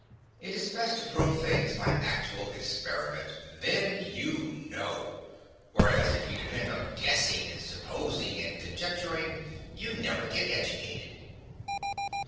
It is best to prove things by actual experiment; then you KNOW; whereas if you depend on guessing and supposing and conjecturing, you never get educated.